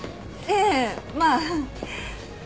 ええまあ。